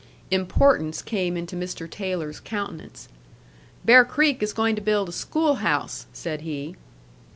Importance came into Mr. Taylor's countenance. "Bear Creek is going to build a schoolhouse," said he.